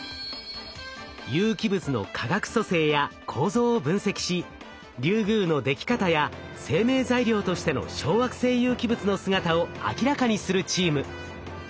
有機物の化学組成や構造を分析しリュウグウの出来方や生命材料としての小惑星有機物の姿を明らかにするチーム。